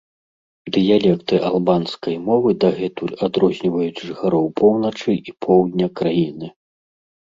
Дыялекты албанскай мовы дагэтуль адрозніваюць жыхароў поўначы і поўдня краіны.